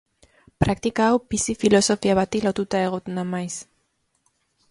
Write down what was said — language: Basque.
Praktika hau bizi-filosofia bati lotuta egoten da maiz.